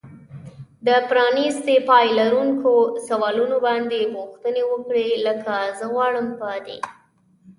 د پرانیستي پای لرونکو سوالونو باندې پوښتنې وکړئ. لکه زه غواړم په دې